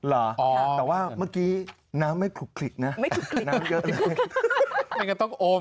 แต่ว่าเมื่อกี้น้ำไม่คลุกกลิ๊ดนะ